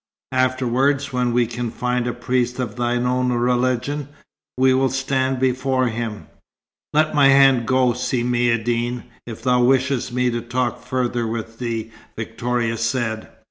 Afterwards, when we can find a priest of thine own religion, we will stand before him." "Let my hand go, Si Maïeddine, if thou wishest me to talk further with thee," Victoria said.